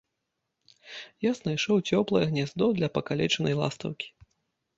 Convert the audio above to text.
Я знайшоў цёплае гняздо для пакалечанай ластаўкі.